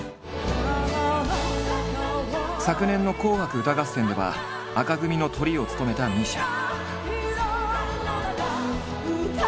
昨年の「紅白歌合戦」では紅組のトリを務めたＭＩＳＩＡ。